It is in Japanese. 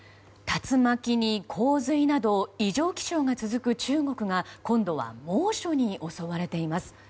竜巻に洪水など異常気象が続く中国が今度は猛暑に襲われています。